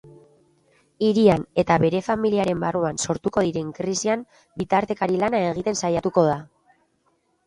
Hirian eta bere familiaren barruan sortuko diren krisian bitartekari lana egiten saiatuko da.